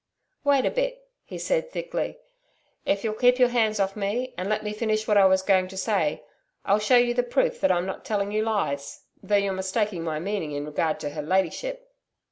'Wait a bit,' he said thickly. 'If you'll keep your hands off me, and let me finish what I was going to say, I'll show you the proof that I'm not telling you lies though you're mistaking my meaning in regard to her Ladyship....